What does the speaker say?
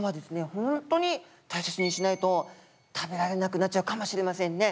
ほんとに大切にしないと食べられなくなっちゃうかもしれませんね。